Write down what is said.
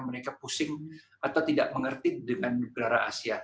mereka pusing atau tidak mengerti dengan negara asia